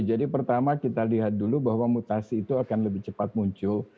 jadi pertama kita lihat dulu bahwa mutasi itu akan lebih cepat muncul